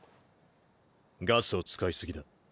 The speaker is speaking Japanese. ガスを使いすぎだ。